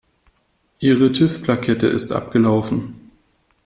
Ihre TÜV-Plakette ist abgelaufen.